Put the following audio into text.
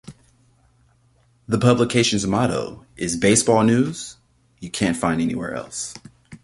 The publication's motto is Baseball news you can't find anywhere else.